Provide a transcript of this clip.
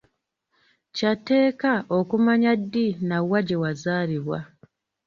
Kya tteeka okumanya ddi na wa gye wazaalibwa.